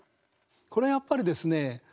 これはやっぱりですね